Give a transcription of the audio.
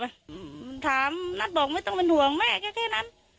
มันถามนัทบอกไม่ต้องเป็นห่วงแม่แค่แค่นั้น